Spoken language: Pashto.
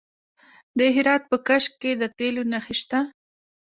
د هرات په کشک کې د تیلو نښې شته.